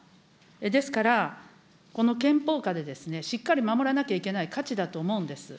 ですから、この憲法下でしっかり守らなきゃいけない価値だと思うんです。